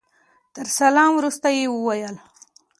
تر سلام وروسته يې وويل.